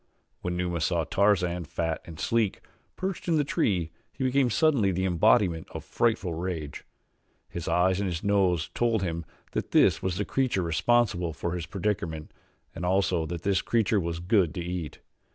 When Numa saw Tarzan, fat and sleek, perched in the tree he became suddenly the embodiment of frightful rage. His eyes and his nose told him that this was the creature responsible for his predicament and also that this creature was good to eat.